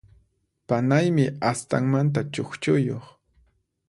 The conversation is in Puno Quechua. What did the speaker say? Panaymi astanmanta chukchuyuq.